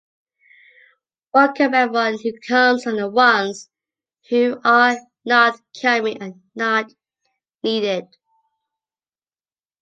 Welcome everyone who comes, and the ones who are not coming are not needed.